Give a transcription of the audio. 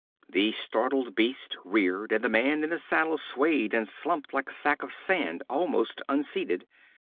The startled beast reared, and the man in the saddle swayed and slumped like a sack of sand, almost unseated.